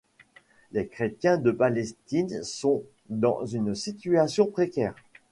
Les chrétiens de Palestine sont dans une situation précaire.